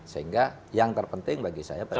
sehingga yang terpenting bagi saya